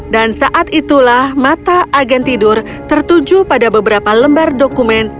dan saat itulah mata agen tidur tertuju pada beberapa lembar dokumen